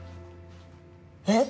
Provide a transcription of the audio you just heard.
えっ！？